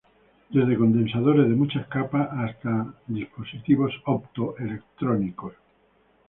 Desde condensadores de muchas capas hasta dispositivos opto-electrónicos.